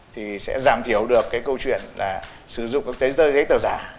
thì sẽ giảm thiểu được cái câu chuyện là sử dụng các giấy tờ giả